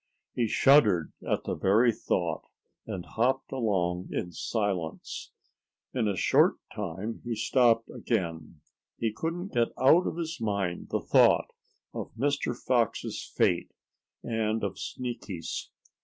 He shuddered at the very thought, and hopped along in silence. In a short time he stopped again. He couldn't get out of his mind the thought of Mr. Fox's fate and of Sneaky's.